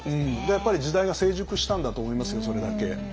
やっぱり時代が成熟したんだと思いますよそれだけ。